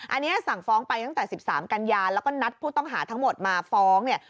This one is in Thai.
อันนี้สั่งฟ้องไปตั้งแต่๑๓กันยาแล้วก็นัดผู้ต้องหาทั้งหมดมาฟ้องเนี่ย